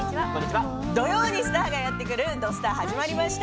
土曜にスターがやってくる「土スタ」始まりました。